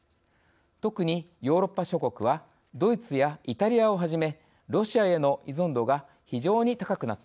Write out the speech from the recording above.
特にヨーロッパ諸国はドイツやイタリアをはじめロシアへの依存度が非常に高くなっています。